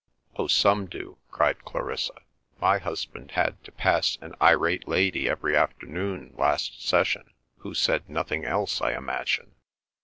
"Oh, some do!" cried Clarissa. "My husband had to pass an irate lady every afternoon last session who said nothing else, I imagine."